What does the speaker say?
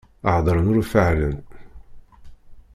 Heddṛen ur faɛlen.